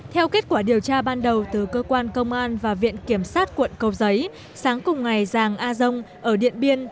theo kết quả điều tra ban đầu từ cơ quan công an và viện kiểm sát quận cầu giấy sáng cùng ngày giàng a dông ở điện biên